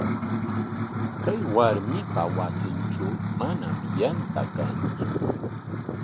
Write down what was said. Kay warmipa wasintraw manam yantan kantsu.